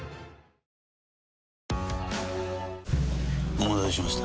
お待たせしました。